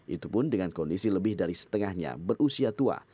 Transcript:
itu pun dengan kondisi lebih dari setengahnya berusia tua